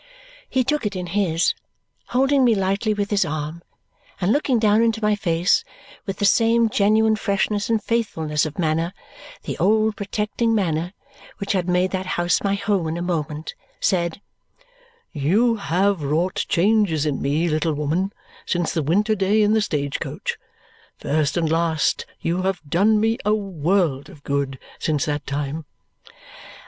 He took it in his, holding me lightly with his arm, and looking down into my face with the same genuine freshness and faithfulness of manner the old protecting manner which had made that house my home in a moment said, "You have wrought changes in me, little woman, since the winter day in the stage coach. First and last you have done me a world of good since that time."